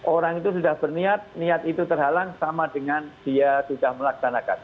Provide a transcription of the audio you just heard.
orang itu sudah berniat niat itu terhalang sama dengan dia sudah melaksanakan